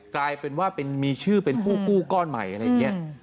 กลายเป็นว่ามีชื่อเป็นผู้กู้ก้อนใหม่อะไรอย่างนี้